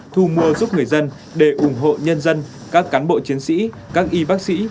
thu mua giúp người dân để ủng hộ nhân dân các cán bộ chiến sĩ các y bác sĩ